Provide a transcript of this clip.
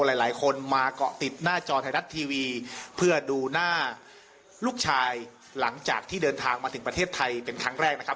หลายคนมาเกาะติดหน้าจอไทยรัฐทีวีเพื่อดูหน้าลูกชายหลังจากที่เดินทางมาถึงประเทศไทยเป็นครั้งแรกนะครับ